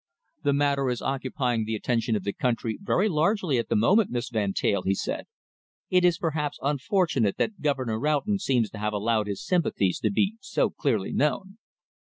"The matter is occupying the attention of the country very largely at the moment, Miss Van Teyl," he said. "It is perhaps unfortunate that Governor Roughton seems to have allowed his sympathies to be so clearly known."